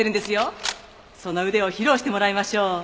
その腕を披露してもらいましょう。